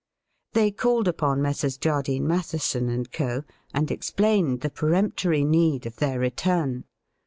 They called upon Messrs. Jardine, Mathe son, and Co., and explained the peremptory need of their return.